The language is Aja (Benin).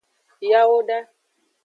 Yawoda.